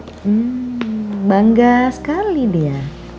hmm bangga sekali dia